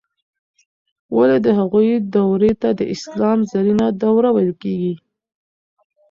ولې د هغوی دورې ته د اسلام زرینه دوره ویل کیږي؟